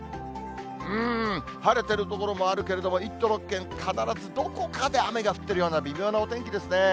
うーん、晴れてる所もあるけれども、１都６県、必ずどこかで雨が降ってるような微妙なお天気ですね。